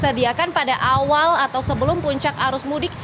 sediakan pada awal atau sebelum puncak arus mudik